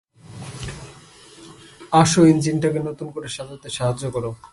আসো, ইঞ্জিনটাকে নতুন করে সাজাতে সাহায্য করো।